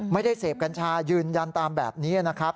ไม่ได้เสพกัญชายืนยันตามแบบนี้นะครับ